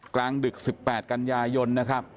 กลางดึก๑๘กันยายน